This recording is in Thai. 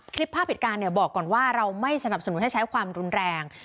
คลิปภาพเหตุการณ์บอกก่อนว่าเราไม่สนับสนุนให้ใช้ความรุนแรง